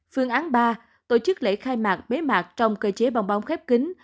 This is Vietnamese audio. phương án ba tổ chức lễ khai mạc bế mạc trong cơ chế bong bóng khép kín